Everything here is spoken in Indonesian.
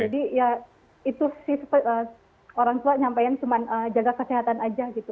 ya itu sih orang tua nyampaikan cuma jaga kesehatan aja gitu